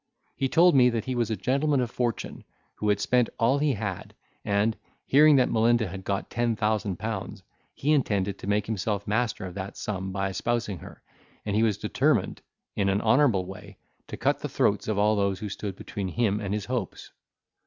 He told me that he was a gentleman of fortune, who had spent all he had, and, hearing that Melinda had got ten thousand pounds, he intended to make himself master of that sum by espousing her, and he was determined, in an honourable way, to cut the throats of all those who stood between him and his hopes.